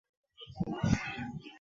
Ana imani atafanikiwa